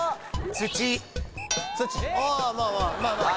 土ああまあまあ